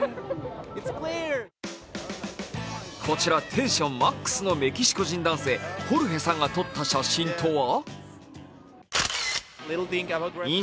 こちら、テンションマックスのメキシコ人男性・ホルヘさんが撮った写真とは？